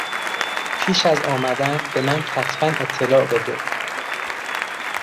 پیش از آمدن به من کتبا اطلاع بده.